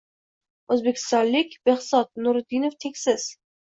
O‘zbekistonlik Bekzodjon Nuriddinov – tengsiz!